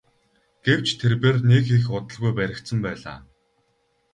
Гэвч тэрбээр нэг их удалгүй баригдсан байлаа.